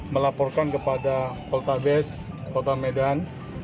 melaporkan kepada poltabes kota medan